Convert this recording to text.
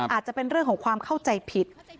อาจจะเป็นเรื่องของความเข้าใจผิด